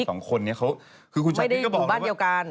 อีกไม่ได้อยู่บ้านเดียวกัน